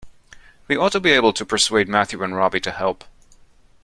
We ought to be able to persuade Matthew and Robbie to help.